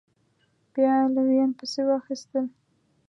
بیا علویان پسې واخیستل